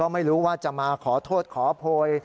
ไม่รู้ว่าจะมาขอโทษขอโพย